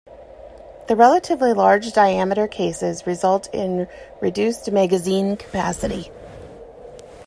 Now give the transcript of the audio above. The relatively large diameter cases result in reduced magazine capacity.